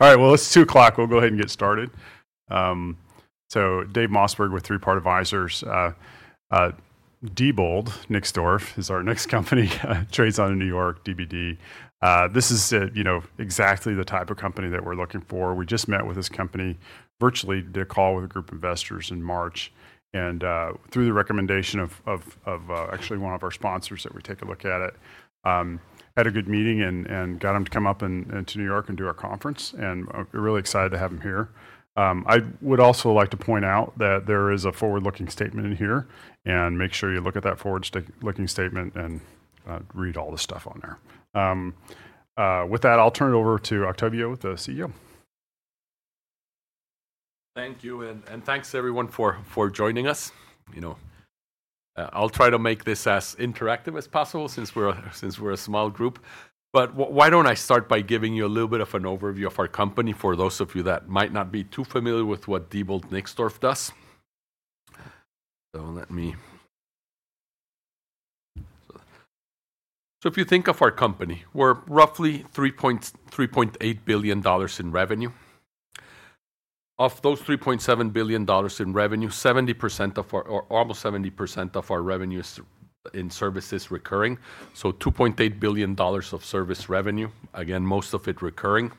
All right, it's 2:00. We'll go ahead and get started. So Dave Mossberg with Three Part Advisors. Diebold Nixdorf is our next company. Trades out of New York, DBD. This is, you know, exactly the type of company that we're looking for. We just met with this company, virtually did a call with a group of investors in March, and through the recommendation of, actually one of our sponsors that we take a look at it, had a good meeting and got him to come up to New York and do our conference. Really excited to have him here. I would also like to point out that there is a forward-looking statement in here and make sure you look at that forward-looking statement and read all the stuff on there. With that, I'll turn it over to Octavio, the CEO. Thank you. And thanks everyone for joining us. You know, I'll try to make this as interactive as possible since we're a small group. Why don't I start by giving you a little bit of an overview of our company for those of you that might not be too familiar with what Diebold Nixdorf does? If you think of our company, we're roughly $3.8 billion in revenue. Of those $3.7 billion in revenue, almost 70% of our revenue is in services recurring. So $2.8 billion of service revenue, again, most of it recurring.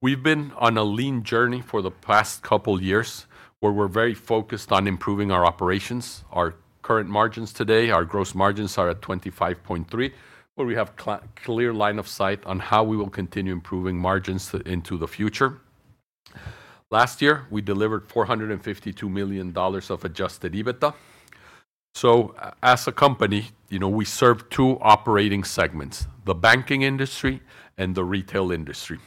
We've been on a lean journey for the past couple of years where we're very focused on improving our operations. Our current margins today, our gross margins are at 25.3%, where we have clear line of sight on how we will continue improving margins into the future. Last year, we delivered $452 million of adjusted EBITDA. So as a company, you know, we serve two operating segments, the banking industry and the retail industry.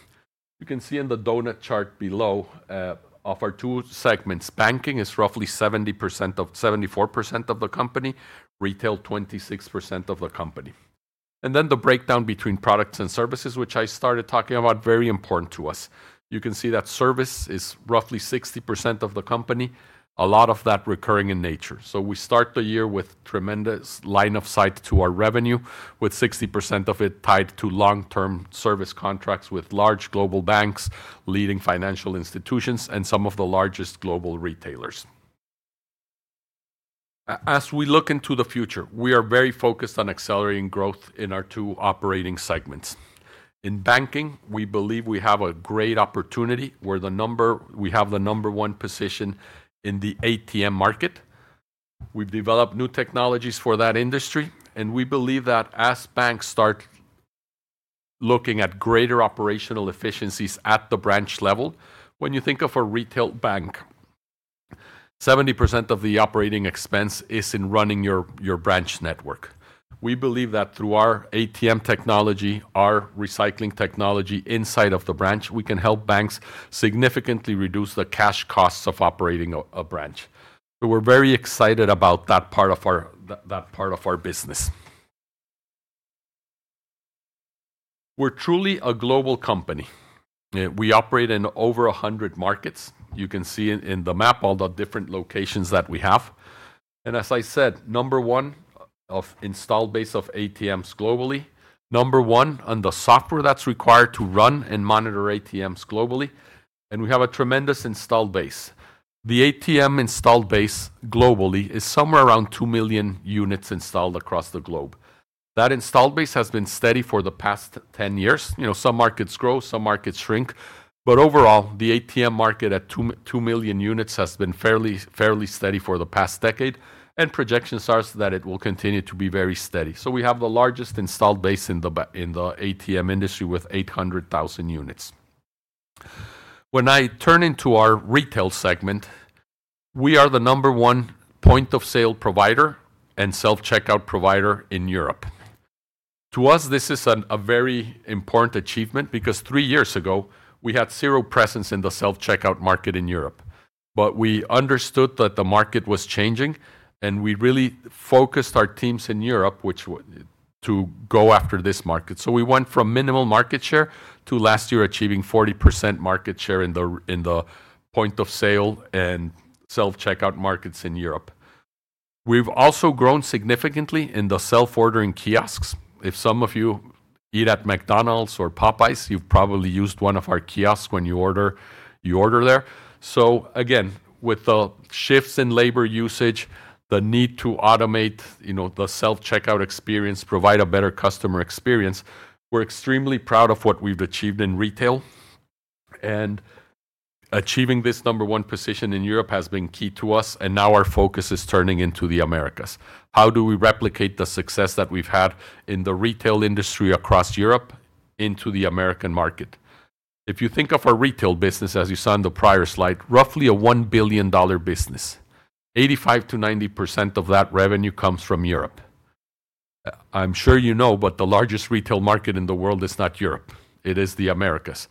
You can see in the donut chart below, of our two segments, banking is roughly 74% of the company, retail 26% of the company. And then the breakdown between products and services, which I started talking about, very important to us. You can see that service is roughly 60% of the company, a lot of that recurring in nature. We start the year with tremendous line of sight to our revenue, with 60% of it tied to long-term service contracts with large global banks, leading financial institutions, and some of the largest global retailers. As we look into the future, we are very focused on accelerating growth in our two operating segments. In banking, we believe we have a great opportunity where the number, we have the number one position in the ATM market. We've developed new technologies for that industry, and we believe that as banks start looking at greater operational efficiencies at the branch level, when you think of a retail bank, 70% of the operating expense is in running your branch network. We believe that through our ATM technology, our recycling technology inside of the branch, we can help banks significantly reduce the cash costs of operating a branch. We're very excited about that part of our business. We're truly a global company. We operate in over 100 markets. You can see in the map all the different locations that we have. As I said, number one of installed base of ATMs globally, number one on the software that's required to run and monitor ATMs globally. We have a tremendous installed base. The ATM installed base globally is somewhere around 2 million units installed across the globe. That installed base has been steady for the past 10 years. You know, some markets grow, some markets shrink, but overall the ATM market at 2 million units has been fairly steady for the past decade. Projections are that it will continue to be very steady. We have the largest installed base in the ATM industry with 800,000 units. When I turn into our retail segment, we are the number one point of sale provider and self-checkout provider in Europe. To us, this is a very important achievement because three years ago we had zero presence in the self-checkout market in Europe, but we understood that the market was changing and we really focused our teams in Europe to go after this market. We went from minimal market share to last year achieving 40% market share in the point of sale and self-checkout markets in Europe. We've also grown significantly in the self-ordering kiosks. If some of you eat at McDonald's or Popeyes, you've probably used one of our kiosks when you order there. Again, with the shifts in labor usage, the need to automate, you know, the self-checkout experience, provide a better customer experience, we're extremely proud of what we've achieved in retail. Achieving this number one position in Europe has been key to us. Now our focus is turning into the Americas. How do we replicate the success that we've had in the retail industry across Europe into the American market? If you think of our retail business, as you saw in the prior slide, roughly a $1 billion business, 85%-90% of that revenue comes from Europe. I'm sure you know, but the largest retail market in the world is not Europe. It is the Americas.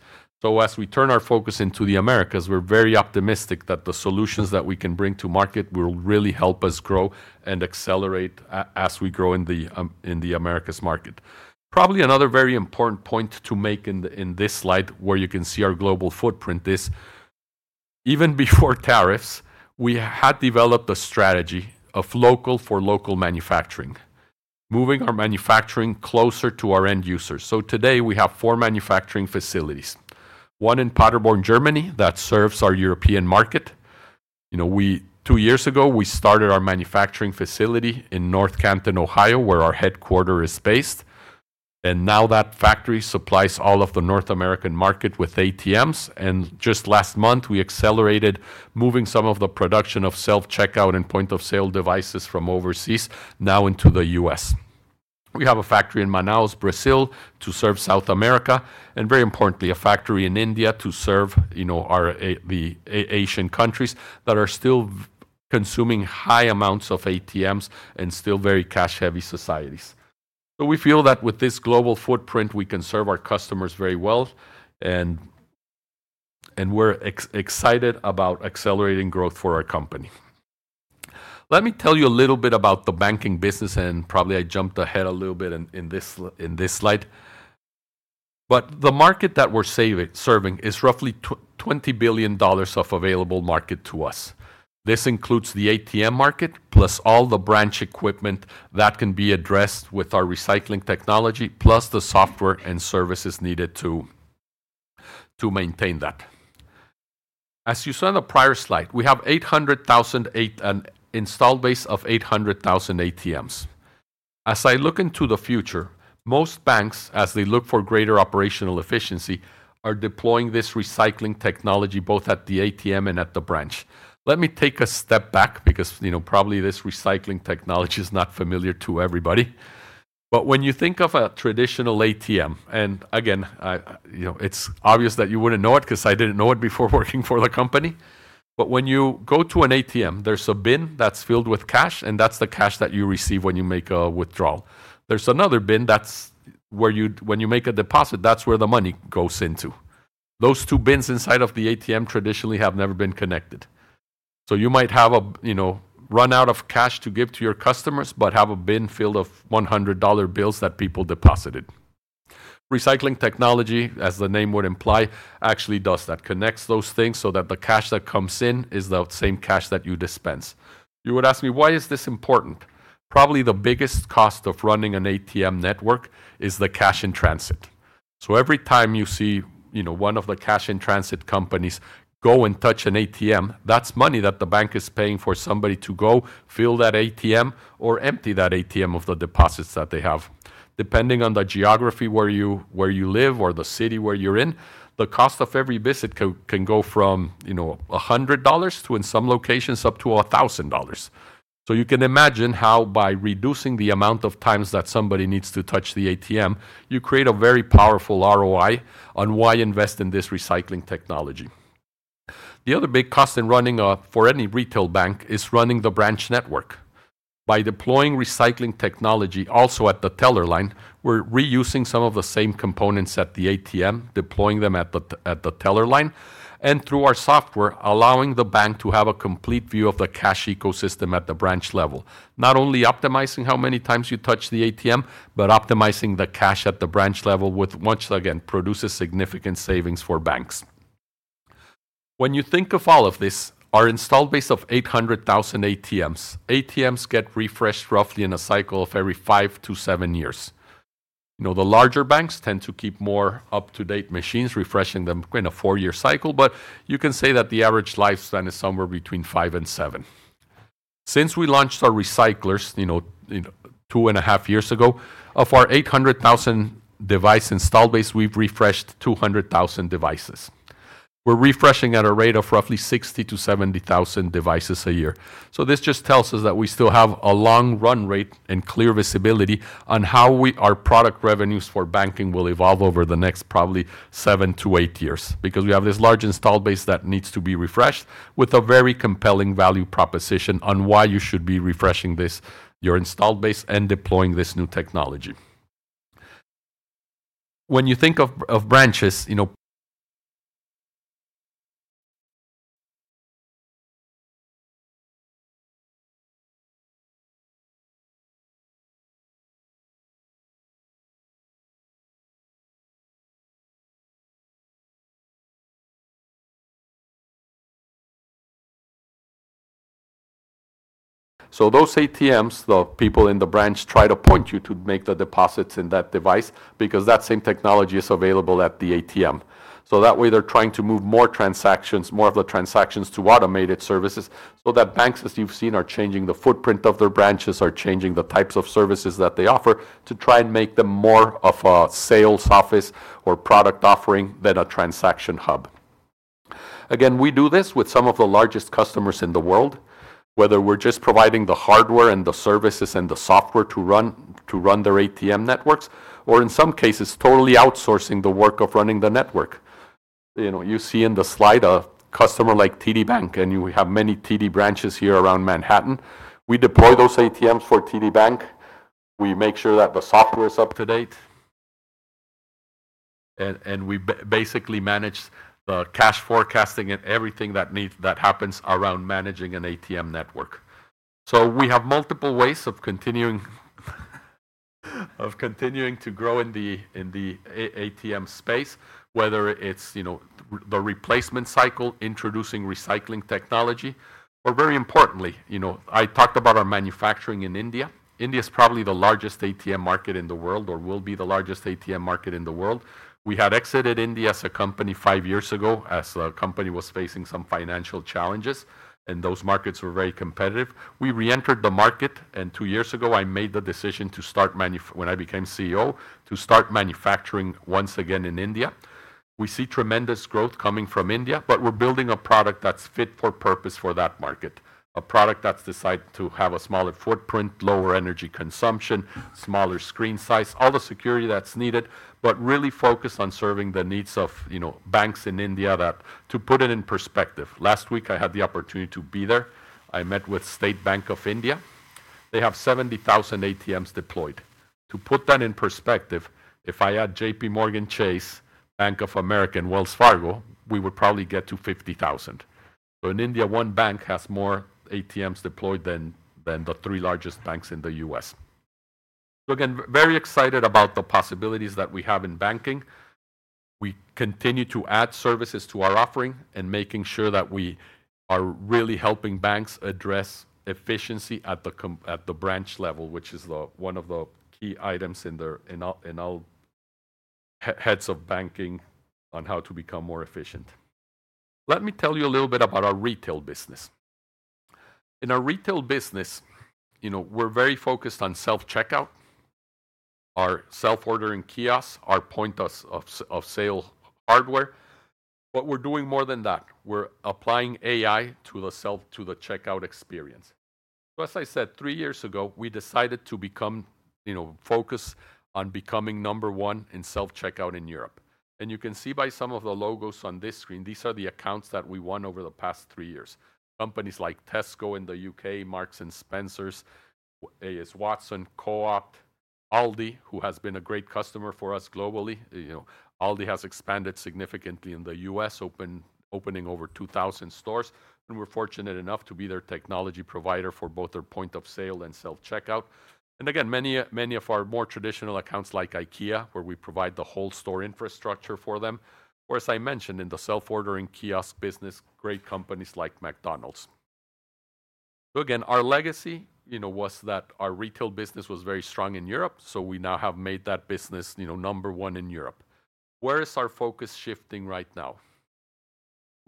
As we turn our focus into the Americas, we're very optimistic that the solutions that we can bring to market will really help us grow and accelerate as we grow in the Americas market. Probably another very important point to make in this slide where you can see our global footprint is even before tariffs, we had developed a strategy of local for local manufacturing, moving our manufacturing closer to our end users. Today we have four manufacturing facilities, one in Paderborn, Germany, that serves our European market. You know, two years ago, we started our manufacturing facility in North Canton, Ohio, where our headquarter is based. Now that factory supplies all of the North American market with ATMs. Just last month, we accelerated moving some of the production of self-checkout and point of sale devices from overseas now into the U.S. We have a factory in Manaus, Brazil, to serve South America, and very importantly, a factory in India to serve, you know, the Asian countries that are still consuming high amounts of ATMs and still very cash-heavy societies. We feel that with this global footprint, we can serve our customers very well. We're excited about accelerating growth for our company. Let me tell you a little bit about the banking business, and probably I jumped ahead a little bit in this slide. The market that we're serving is roughly $20 billion of available market to us. This includes the ATM market plus all the branch equipment that can be addressed with our recycling technology, plus the software and services needed to maintain that. As you saw in the prior slide, we have an installed base of 800,000 ATMs. As I look into the future, most banks, as they look for greater operational efficiency, are deploying this recycling technology both at the ATM and at the branch. Let me take a step back because, you know, probably this recycling technology is not familiar to everybody. When you think of a traditional ATM, and again, I, you know, it's obvious that you wouldn't know it 'cause I didn't know it before working for the company. When you go to an ATM, there's a bin that's filled with cash, and that's the cash that you receive when you make a withdrawal. There's another bin that's where you, when you make a deposit, that's where the money goes into. Those two bins inside of the ATM traditionally have never been connected. You might have a, you know, run out of cash to give to your customers, but have a bin filled with $100 bills that people deposited. Recycling technology, as the name would imply, actually does that, connects those things so that the cash that comes in is the same cash that you dispense. You would ask me, why is this important? Probably the biggest cost of running an ATM network is the cash in transit. Every time you see, you know, one of the cash in transit companies go and touch an ATM, that's money that the bank is paying for somebody to go fill that ATM or empty that ATM of the deposits that they have. Depending on the geography where you live or the city where you're in, the cost of every visit can go from, you know, $100 to, in some locations, up to $1,000. You can imagine how by reducing the amount of times that somebody needs to touch the ATM, you create a very powerful ROI on why invest in this recycling technology. The other big cost in running, for any retail bank, is running the branch network. By deploying recycling technology also at the teller line, we're reusing some of the same components at the ATM, deploying them at the teller line, and through our software, allowing the bank to have a complete view of the cash ecosystem at the branch level. Not only optimizing how many times you touch the ATM, but optimizing the cash at the branch level, which again produces significant savings for banks. When you think of all of this, our installed base of 800,000 ATMs, ATMs get refreshed roughly in a cycle of every five to seven years. You know, the larger banks tend to keep more up-to-date machines, refreshing them in a four-year cycle, but you can say that the average lifespan is somewhere between five and seven. Since we launched our recyclers, you know, two and a half years ago, of our 800,000 device installed base, we've refreshed 200,000 devices. We're refreshing at a rate of roughly 60,000-70,000 devices a year. This just tells us that we still have a long run rate and clear visibility on how our product revenues for banking will evolve over the next probably seven to eight years because we have this large installed base that needs to be refreshed with a very compelling value proposition on why you should be refreshing this, your installed base and deploying this new technology. When you think of, of branches, you know, those ATMs, the people in the branch try to point you to make the deposits in that device because that same technology is available at the ATM. That way they're trying to move more transactions, more of the transactions to automated services so that banks, as you've seen, are changing the footprint of their branches, are changing the types of services that they offer to try and make them more of a sales office or product offering than a transaction hub. Again, we do this with some of the largest customers in the world, whether we're just providing the hardware and the services and the software to run their ATM networks, or in some cases, totally outsourcing the work of running the network. You know, you see in the slide a customer like TD Bank, and we have many TD branches here around Manhattan. We deploy those ATMs for TD Bank. We make sure that the software is up to date, and we basically manage the cash forecasting and everything that needs, that happens around managing an ATM network. We have multiple ways of continuing to grow in the ATM space, whether it's, you know, the replacement cycle, introducing recycling technology, or very importantly, you know, I talked about our manufacturing in India. India is probably the largest ATM market in the world, or will be the largest ATM market in the world. We had exited India as a company five years ago as the company was facing some financial challenges, and those markets were very competitive. We reentered the market, and two years ago, I made the decision to start manufacturing when I became CEO, to start manufacturing once again in India. We see tremendous growth coming from India, but we're building a product that's fit for purpose for that market, a product that's decided to have a smaller footprint, lower energy consumption, smaller screen size, all the security that's needed, but really focused on serving the needs of, you know, banks in India that, to put it in perspective, last week I had the opportunity to be there. I met with State Bank of India. They have 70,000 ATMs deployed. To put that in perspective, if I had JPMorgan Chase, Bank of America, and Wells Fargo, we would probably get to 50,000. In India, one bank has more ATMs deployed than the three largest banks in the U.S. Again, very excited about the possibilities that we have in banking. We continue to add services to our offering and making sure that we are really helping banks address efficiency at the branch level, which is one of the key items in all heads of banking on how to become more efficient. Let me tell you a little bit about our retail business. In our retail business, you know, we're very focused on self-checkout, our self-ordering kiosks, our point of sale hardware. But we're doing more than that. We're applying AI to the checkout experience. As I said, three years ago, we decided to become, you know, focus on becoming number one in self-checkout in Europe. You can see by some of the logos on this screen, these are the accounts that we won over the past three years. Companies like Tesco in the U.K., Marks & Spencer, AS Watson, Co-op, ALDI, who has been a great customer for us globally. You know, ALDI has expanded significantly in the U.S., opening over 2,000 stores. We are fortunate enough to be their technology provider for both their point of sale and self-checkout. Many of our more traditional accounts like IKEA, where we provide the whole store infrastructure for them. As I mentioned, in the self-ordering kiosk business, great companies like McDonald's. Our legacy, you know, was that our retail business was very strong in Europe. We now have made that business number one in Europe. Where is our focus shifting right now?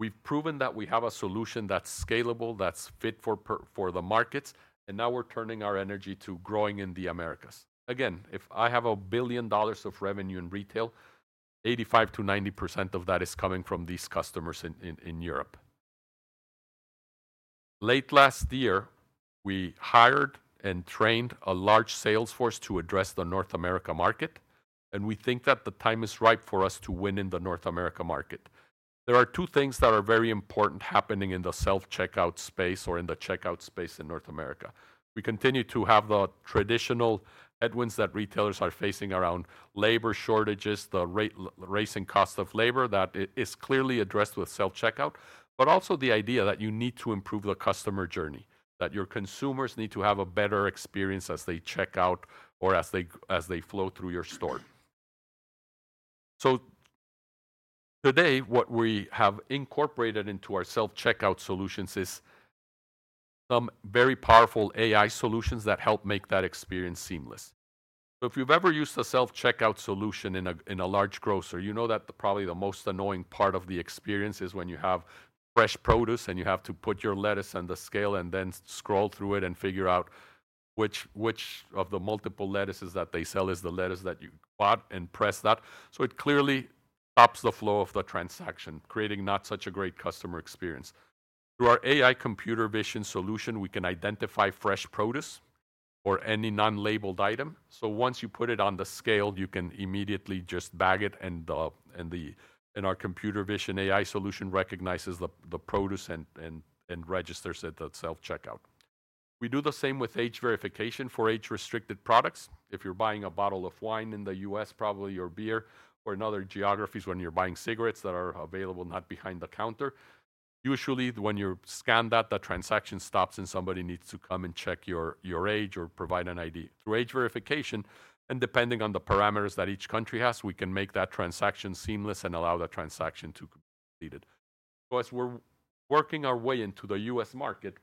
We have proven that we have a solution that is scalable, that is fit for the markets. Now we are turning our energy to growing in the Americas. Again, if I have a billion dollars of revenue in retail, 85%-90% of that is coming from these customers in Europe. Late last year, we hired and trained a large sales force to address the North America market. We think that the time is ripe for us to win in the North America market. There are two things that are very important happening in the self-checkout space or in the checkout space in North America. We continue to have the traditional headwinds that retailers are facing around labor shortages, the raising cost of labor that is clearly addressed with self-checkout, but also the idea that you need to improve the customer journey, that your consumers need to have a better experience as they check out or as they flow through your store. Today, what we have incorporated into our self-checkout solutions is some very powerful AI solutions that help make that experience seamless. If you've ever used a self-checkout solution in a large grocer, you know that probably the most annoying part of the experience is when you have fresh produce and you have to put your lettuce on the scale and then scroll through it and figure out which of the multiple lettuces that they sell is the lettuce that you bought and press that. It clearly stops the flow of the transaction, creating not such a great customer experience. Through our AI computer vision solution, we can identify fresh produce or any non-labeled item. Once you put it on the scale, you can immediately just bag it and our computer vision AI solution recognizes the produce and registers it at self-checkout. We do the same with age verification for age-restricted products. If you're buying a bottle of wine in the U.S., probably your beer, or in other geographies when you're buying cigarettes that are available not behind the counter, usually when you scan that, the transaction stops and somebody needs to come and check your age or provide an ID through age verification. Depending on the parameters that each country has, we can make that transaction seamless and allow that transaction to be completed. As we're working our way into the U.S. market,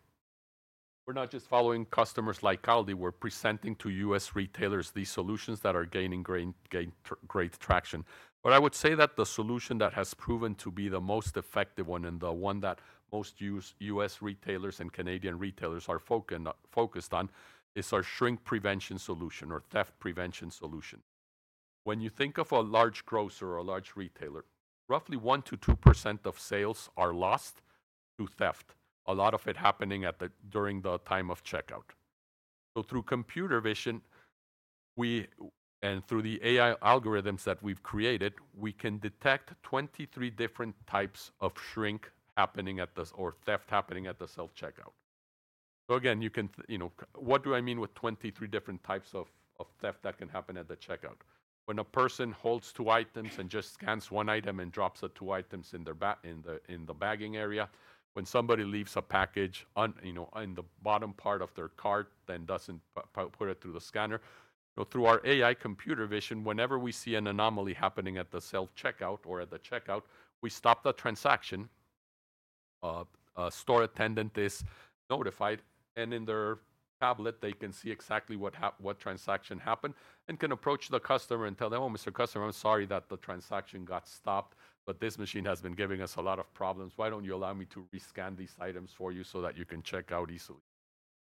we're not just following customers like ALDI, we're presenting to U.S. retailers these solutions that are gaining great traction. I would say that the solution that has proven to be the most effective one and the one that most U.S. retailers and Canadian retailers are focused on is our shrink prevention solution or theft prevention solution. When you think of a large grocer or a large retailer, roughly 1%-2% of sales are lost to theft, a lot of it happening during the time of checkout. Through computer vision, and through the AI algorithms that we have created, we can detect 23 different types of shrink happening, or theft happening, at the self-checkout. Again, you know, what do I mean with 23 different types of theft that can happen at the checkout? When a person holds two items and just scans one item and drops the two items in their bag, in the bagging area. When somebody leaves a package on, you know, in the bottom part of their cart and doesn't put it through the scanner. Through our AI computer vision, whenever we see an anomaly happening at the self-checkout or at the checkout, we stop the transaction. A store attendant is notified, and in their tablet, they can see exactly what transaction happened and can approach the customer and tell them, "Oh, Mr. Customer, I'm sorry that the transaction got stopped, but this machine has been giving us a lot of problems. Why don't you allow me to rescan these items for you so that you can check out easily?"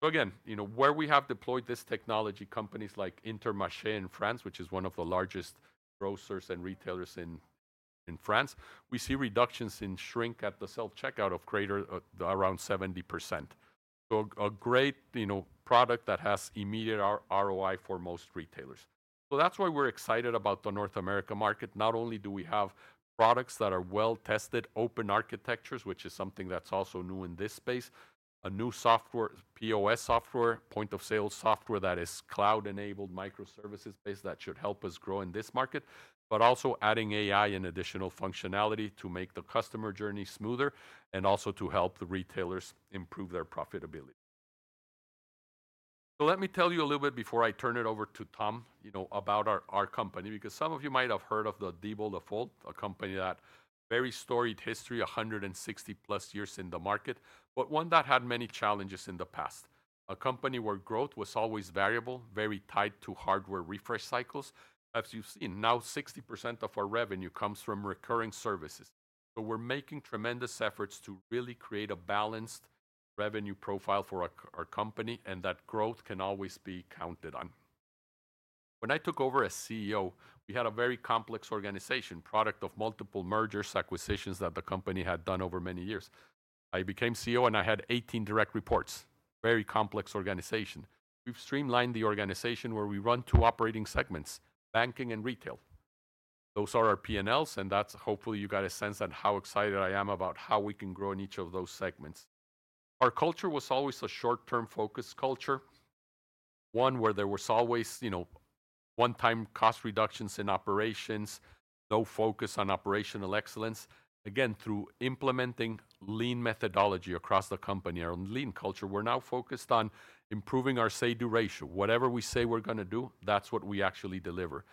Again, you know, where we have deployed this technology, companies like Intermarché in France, which is one of the largest grocers and retailers in France, we see reductions in shrink at the self-checkout of greater than around 70%. A great, you know, product that has immediate ROI for most retailers. That is why we are excited about the North America market. Not only do we have products that are well-tested, open architectures, which is something that is also new in this space, a new software, POS software, point of sale software that is cloud-enabled, microservices-based, that should help us grow in this market, but also adding AI and additional functionality to make the customer journey smoother and also to help the retailers improve their profitability. Let me tell you a little bit before I turn it over to Tom, you know, about our company, because some of you might have heard of Diebold Nixdorf, a company that has a very storied history, 160 plus years in the market, but one that had many challenges in the past. A company where growth was always variable, very tied to hardware refresh cycles. As you've seen, now 60% of our revenue comes from recurring services. So we're making tremendous efforts to really create a balanced revenue profile for our, our company and that growth can always be counted on. When I took over as CEO, we had a very complex organization, product of multiple mergers, acquisitions that the company had done over many years. I became CEO and I had 18 direct reports, very complex organization. We've streamlined the organization where we run two operating segments, banking and retail. Those are our P&Ls, and that's hopefully you got a sense on how excited I am about how we can grow in each of those segments. Our culture was always a short-term focus culture, one where there was always, you know, one-time cost reductions in operations, no focus on operational excellence. Again, through implementing lean methodology across the company, our lean culture, we're now focused on improving our say-do ratio. Whatever we say we're gonna do, that's what we actually deliver.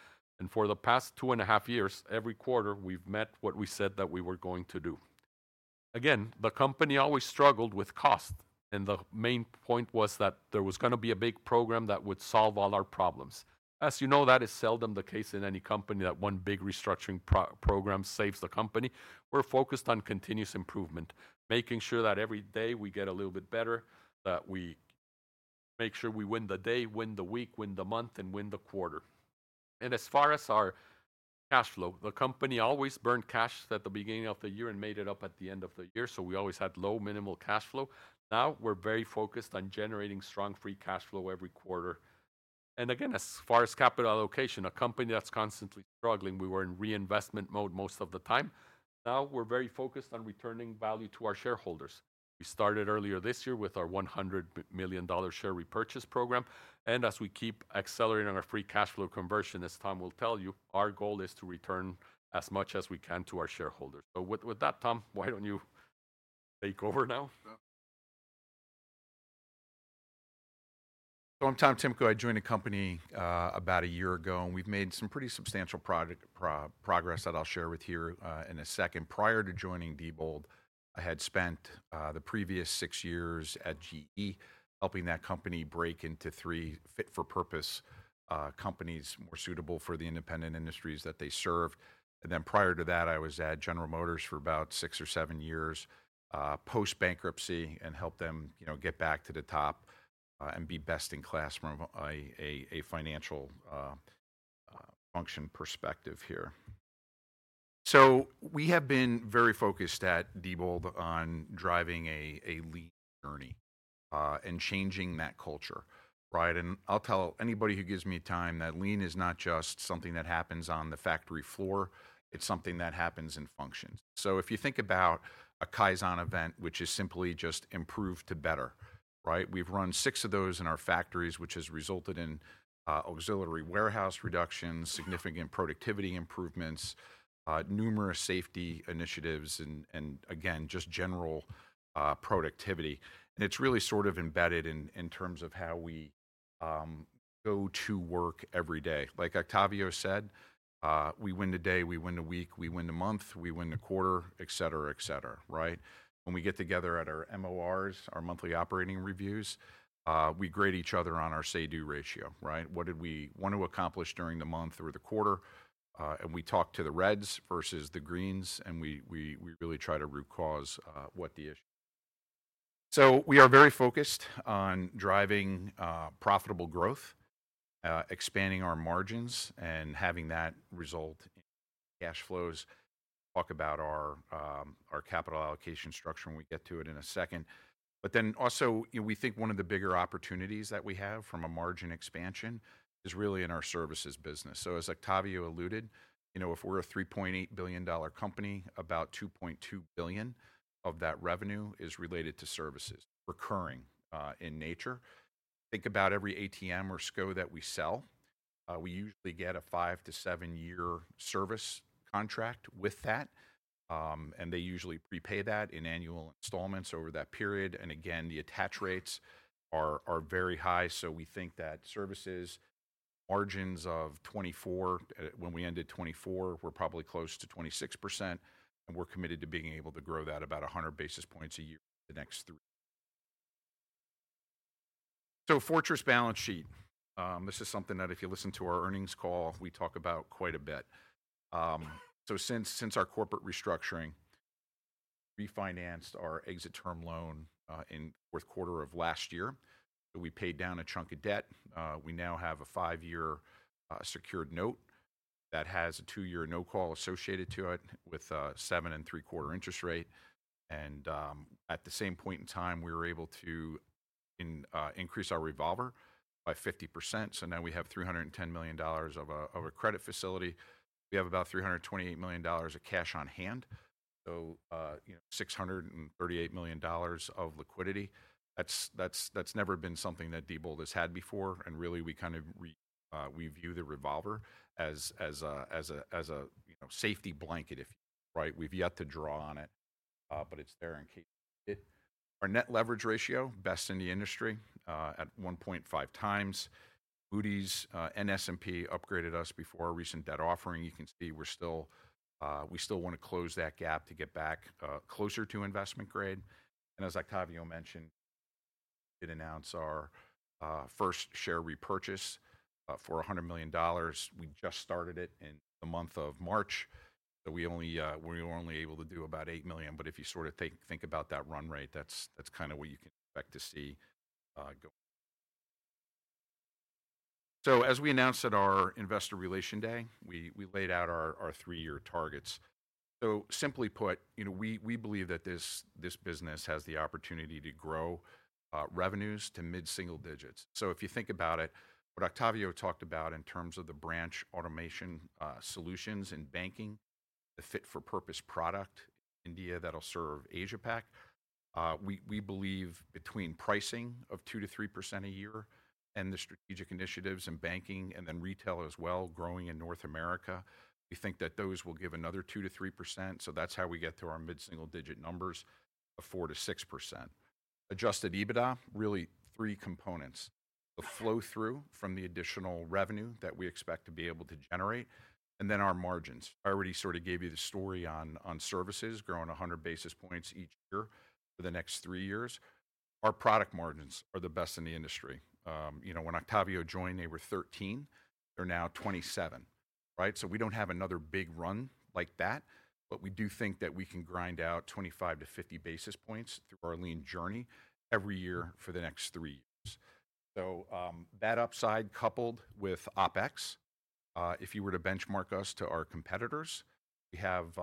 For the past two and a half years, every quarter, we've met what we said that we were going to do. Again, the company always struggled with cost, and the main point was that there was gonna be a big program that would solve all our problems. As you know, that is seldom the case in any company that one big restructuring program saves the company. We're focused on continuous improvement, making sure that every day we get a little bit better, that we make sure we win the day, win the week, win the month, and win the quarter. As far as our cash flow, the company always burned cash at the beginning of the year and made it up at the end of the year. We always had low minimal cash flow. Now we're very focused on generating strong free cash flow every quarter. Again, as far as capital allocation, a company that's constantly struggling, we were in reinvestment mode most of the time. Now we're very focused on returning value to our shareholders. We started earlier this year with our $100 million share repurchase program. As we keep accelerating our free cash flow conversion, as Tom will tell you, our goal is to return as much as we can to our shareholders. With that, Tom, why don't you take over now? I'm Tom Timko. I joined the company about a year ago, and we've made some pretty substantial product progress that I'll share with you in a second. Prior to joining Diebold, I had spent the previous six years at GE helping that company break into three fit-for-purpose companies more suitable for the independent industries that they served. Prior to that, I was at General Motors for about six or seven years, post-bankruptcy, and helped them, you know, get back to the top and be best in class from a financial function perspective here. We have been very focused at Diebold on driving a lean journey and changing that culture, right? I'll tell anybody who gives me time that lean is not just something that happens on the factory floor. It's something that happens in function. If you think about a KAIZEN event, which is simply just improved to better, right? We've run six of those in our factories, which has resulted in auxiliary warehouse reductions, significant productivity improvements, numerous safety initiatives, and, again, just general productivity. It's really sort of embedded in, in terms of how we go to work every day. Like Octavio said, we win the day, we win the week, we win the month, we win the quarter, et cetera, et cetera, right? When we get together at our MORs, our monthly operating reviews, we grade each other on our say-do ratio, right? What did we want to accomplish during the month or the quarter? We talk to the reds versus the greens, and we really try to root cause what the issue. We are very focused on driving profitable growth, expanding our margins, and having that result in cash flows. Talk about our capital allocation structure when we get to it in a second. But then also, you know, we think one of the bigger opportunities that we have from a margin expansion is really in our services business. As Octavio alluded, you know, if we are a $3.8 billion company, about $2.2 billion of that revenue is related to services, recurring in nature. Think about every ATM or SCO that we sell. We usually get a five- to seven-year service contract with that, and they usually prepay that in annual installments over that period. Again, the attach rates are very high. We think that services margins of 24, when we ended 2024, were probably close to 26%, and we're committed to being able to grow that about 100 basis points a year in the next three years. Fortress balance sheet, this is something that if you listen to our earnings call, we talk about quite a bit. Since our corporate restructuring, we financed our exit term loan in the fourth quarter of last year. We paid down a chunk of debt. We now have a five-year secured note that has a two-year no-call associated to it with a 7.75% interest rate. At the same point in time, we were able to increase our revolver by 50%. Now we have $310 million of a credit facility. We have about $328 million of cash on hand. You know, $638 million of liquidity. That's never been something that Diebold has had before. Really, we kind of review the revolver as a, you know, safety blanket, if you will, right? We've yet to draw on it, but it's there in case you need it. Our net leverage ratio, best in the industry at 1.5 times. Moody's and S&P upgraded us before our recent debt offering. You can see we still want to close that gap to get back closer to investment grade. As Octavio mentioned, we did announce our first share repurchase for $100 million. We just started it in the month of March. We were only able to do about $8 million. If you sort of think about that run rate, that's kind of what you can expect to see going. As we announced at our Investor Relation Day, we laid out our three-year targets. Simply put, you know, we believe that this business has the opportunity to grow revenues to mid-single digits. If you think about it, what Octavio talked about in terms of the branch automation solutions in banking, the fit-for-purpose product in India that will serve AsiaPac, we believe between pricing of 2%-3% a year and the strategic initiatives in banking and then retail as well growing in North America, we think that those will give another 2%-3%. That is how we get to our mid-single digit numbers of 4%-6%. Adjusted EBITDA, really three components: the flow-through from the additional revenue that we expect to be able to generate, and then our margins. I already sort of gave you the story on, on services growing 100 basis points each year for the next three years. Our product margins are the best in the industry. You know, when Octavio joined, they were 13. They're now 27, right? We do not have another big run like that, but we do think that we can grind out 25-50 basis points through our lean journey every year for the next three years. That upside coupled with OpEx, if you were to benchmark us to our competitors, we have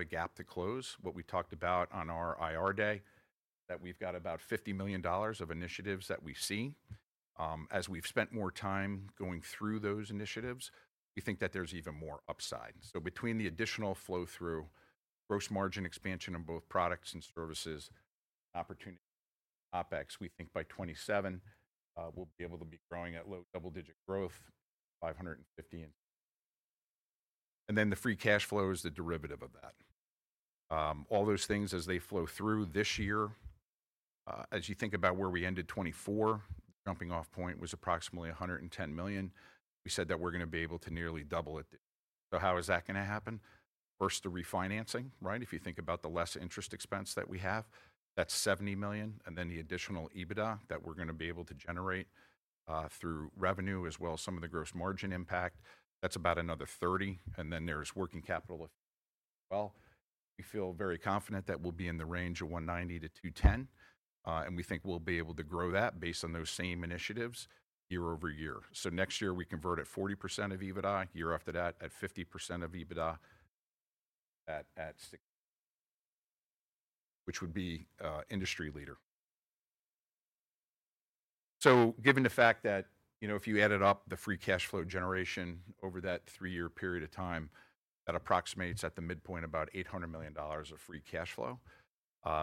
a gap to close. What we talked about on our IR Day is that we have about $50 million of initiatives that we see. As we have spent more time going through those initiatives, we think that there is even more upside. Between the additional flow-through, gross margin expansion in both products and services, opportunity OpEx, we think by 2027, we'll be able to be growing at low double-digit growth, $550 million. The free cash flow is the derivative of that. All those things as they flow through this year, as you think about where we ended 2024, the jumping-off point was approximately $110 million. We said that we're gonna be able to nearly double it. How is that gonna happen? First, the refinancing, right? If you think about the less interest expense that we have, that's $70 million. The additional EBITDA that we're gonna be able to generate through revenue as well as some of the gross margin impact, that's about another $30 million. Then there's working capital. We feel very confident that we'll be in the range of $190 million-$210 million, and we think we'll be able to grow that based on those same initiatives year-over-year. Next year, we convert at 40% of EBITDA, year after that at 50% of EBITDA, which would be industry leader. Given the fact that, you know, if you added up the free cash flow generation over that three-year period of time, that approximates at the midpoint about $800 million of free cash flow.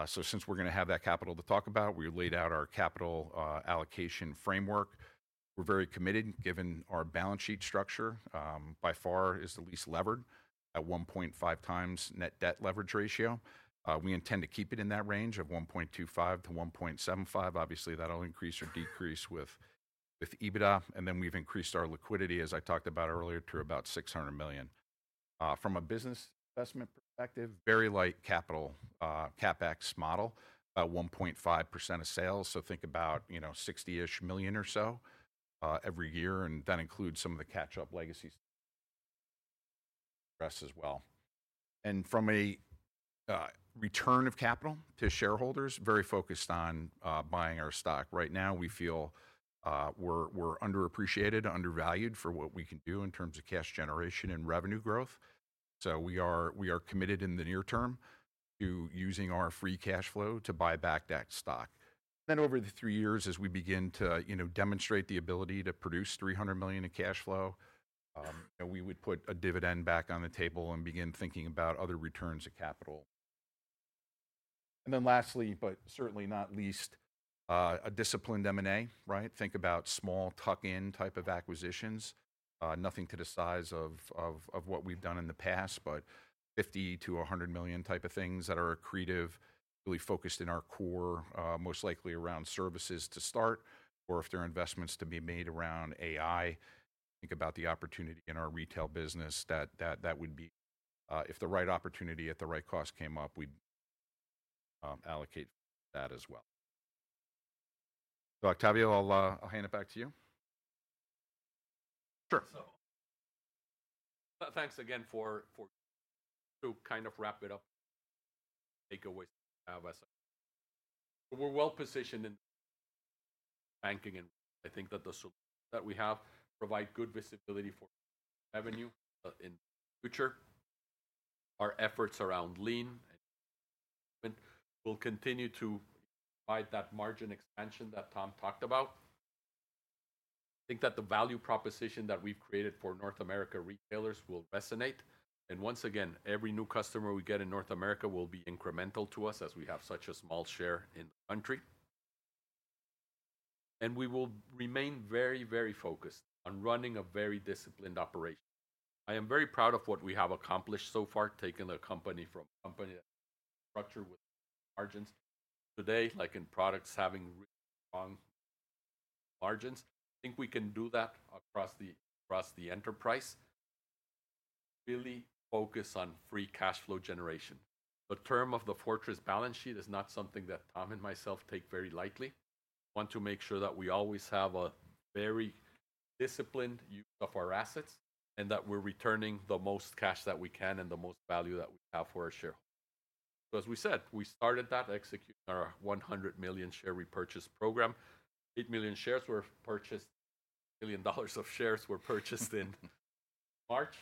Since we're gonna have that capital to talk about, we laid out our capital allocation framework. We're very committed given our balance sheet structure by far is the least levered at 1.5 times net debt leverage ratio. We intend to keep it in that range of 1.25-1.75. Obviously, that'll increase or decrease with EBITDA. We have increased our liquidity, as I talked about earlier, to about $600 million. From a business investment perspective, very light capital CapEx model, about 1.5% of sales. Think about, you know, $60 million or so every year, and that includes some of the catch-up legacy for us as well. From a return of capital to shareholders, very focused on buying our stock. Right now, we feel we're underappreciated, undervalued for what we can do in terms of cash generation and revenue growth. We are committed in the near term to using our free cash flow to buy back that stock. Over the three years, as we begin to, you know, demonstrate the ability to produce $300 million in cash flow, we would put a dividend back on the table and begin thinking about other returns of capital. Lastly, but certainly not least, a disciplined M&A, right? Think about small tuck-in type of acquisitions, nothing to the size of what we've done in the past, but $50 million-$100 million type of things that are accretive, really focused in our core, most likely around services to start, or if there are investments to be made around AI, think about the opportunity in our retail business that would be, if the right opportunity at the right cost came up, we'd allocate that as well. Octavio, I'll hand it back to you. Sure. Thanks again for, to kind of wrap it up, takeaways that we have as a, we're well positioned in banking and I think that the solutions that we have provide good visibility for revenue in the future. Our efforts around lean will continue to provide that margin expansion that Tom talked about. I think that the value proposition that we've created for North America retailers will resonate. Once again, every new customer we get in North America will be incremental to us as we have such a small share in the country. We will remain very, very focused on running a very disciplined operation. I am very proud of what we have accomplished so far, taking a company from a company that's structured with margins today, like in products having really strong margins. I think we can do that across the enterprise. Really focus on free cash flow generation. The term of the fortress balance sheet is not something that Tom and myself take very lightly. Want to make sure that we always have a very disciplined use of our assets and that we're returning the most cash that we can and the most value that we have for our shareholders. As we said, we started that executing our $100 million share repurchase program, $8 million shares were purchased, $8 million of shares were purchased in March.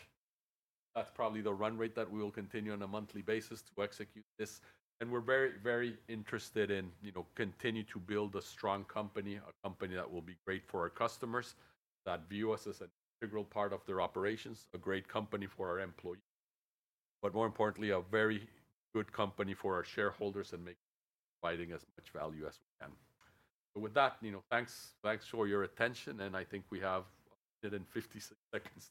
That's probably the run rate that we will continue on a monthly basis to execute this. We're very, very interested in, you know, continue to build a strong company, a company that will be great for our customers that view us as an integral part of their operations, a great company for our employees, but more importantly, a very good company for our shareholders and making providing as much value as we can. With that, you know, thanks, thanks for your attention. I think we have 56 seconds.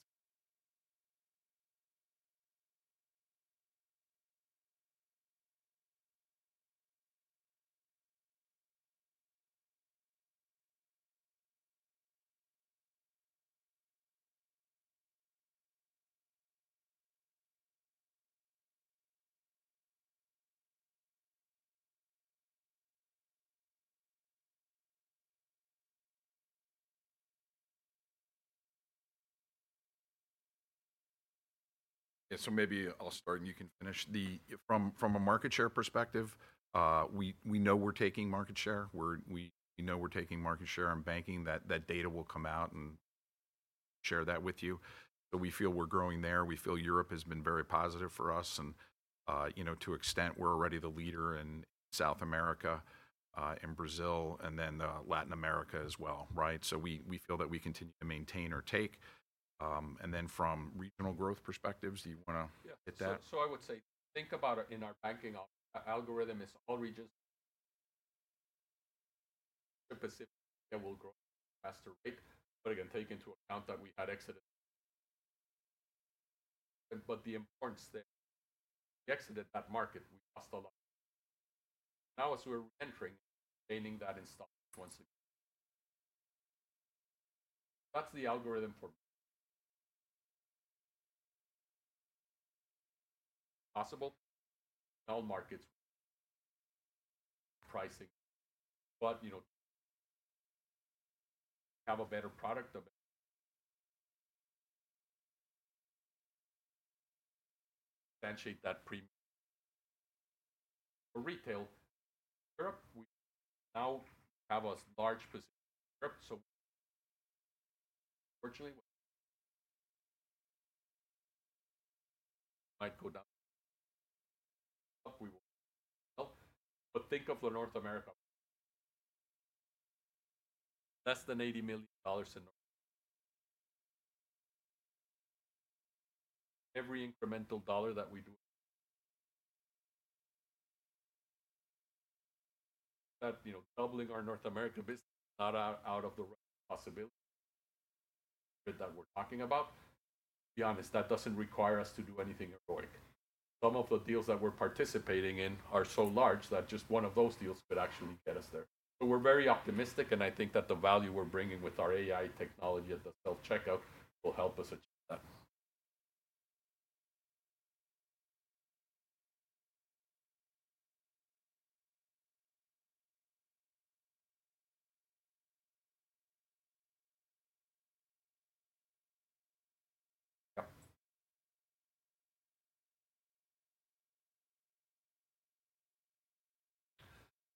Yeah. Maybe I'll start and you can finish. From a market share perspective, we know we're taking market share. We know we're taking market share in banking. That data will come out and share that with you. We feel we're growing there. We feel Europe has been very positive for us and, you know, to the extent we're already the leader in South America, in Brazil, and then Latin America as well, right? We feel that we continue to maintain or take. From regional growth perspectives, do you want to hit that? I would say think about it in our banking algorithm as all regions, Asia-Pacific, it will grow at a faster rate. Again, take into account that we had exited. The importance there, we exited that market, we lost a lot. Now, as we're reentering and maintaining that installment once again, that's the algorithm for possible. All markets pricing, but you know, have a better product, differentiate that premium for retail. Europe, we now have a large position in Europe. Fortunately, we might go down, but we will help. Think of North America, that's the $80 million in. Every incremental dollar that we do, that, you know, doubling our North American business is not out of the right possibility that we're talking about. To be honest, that doesn't require us to do anything heroic. Some of the deals that we're participating in are so large that just one of those deals could actually get us there. We're very optimistic, and I think that the value we're bringing with our AI technology at the self-checkout will help us achieve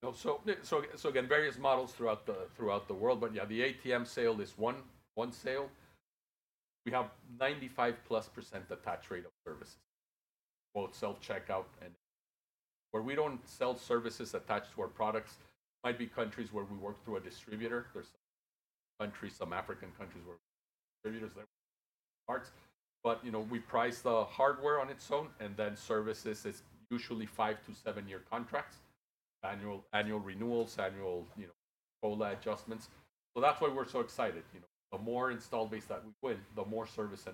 that. Again, various models throughout the world, but yeah, the ATM sale is one sale. We have 95%+ attach rate of services, both self-checkout and where we don't sell services attached to our products. Might be countries where we work through a distributor. There are some countries, some African countries where distributors are there, but you know, we price the hardware on its own and then services is usually five- to seven-year contracts, annual renewals, annual adjustments. That's why we're so excited, you know, the more installed base that we win, the more service.